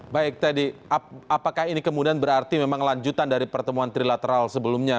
baik teddy apakah ini kemudian berarti memang lanjutan dari pertemuan trilateral sebelumnya